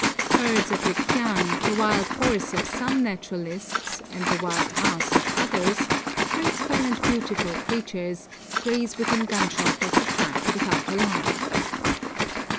Herds of the kyang, the wild horse of some naturalists, and the wild ass of others, graceful and beautiful creatures, graze within gunshot of the track without alarm.